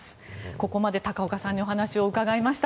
ここまで高岡さんにお話を伺いました。